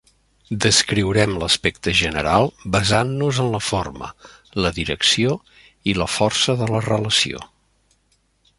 Descriurem l'aspecte general basant-nos en la forma, la direcció i la força de la relació.